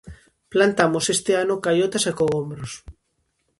Plantamos este ano caiotas e cogombros.